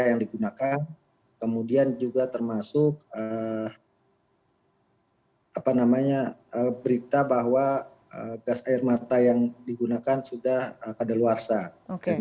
yang digunakan kemudian juga termasuk berita bahwa gas air mata yang digunakan sudah kadaluarsa